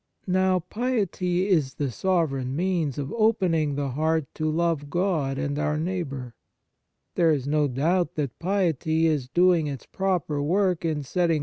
Now, piety is the sovereign means of opening the heart to love God and our neighbour. There is no doubt that piety is doing its proper work in setting the * i John iii. 14.